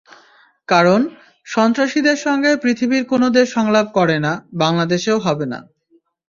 কারণ, সন্ত্রাসীদের সঙ্গে পৃথিবীর কোনো দেশ সংলাপ করে না, বাংলাদেশেও হবে না।